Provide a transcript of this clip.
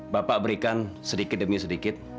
bapak berikan sedikit demi sedikit